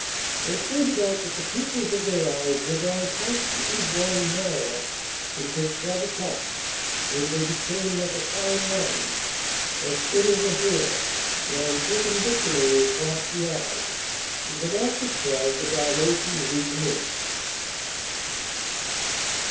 They pointed out that the pupils of their eyes went on constantly growing narrower until twelve o'clock, when they became like a fine line, as thin as a hair, drawn perpendicularly across the eye, and that after twelve the dilatation recommenced."